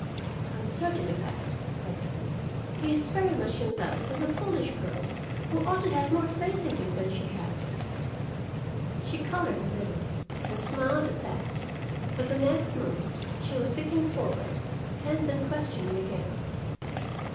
"I'm certain of that," I said. "He is very much in love with a foolish girl, who ought to have more faith in him than she has." [Illustration: She sat up in bed suddenly.] She colored a little, and smiled at that, but the next moment she was sitting forward, tense and questioning again.